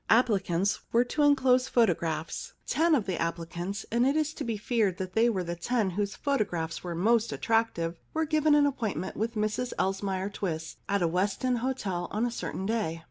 Applicants were to enclose photo graphs. Ten of the applicants — and it is to be feared that they were the ten whose photo graphs were the most attractive — were given an appointment with Mrs Elsmere Twiss at a West End hotel on a certain day.